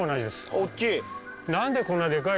おっきい。